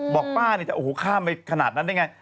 บอกป้านี่ค่าไปขนาดนั้นได้ไง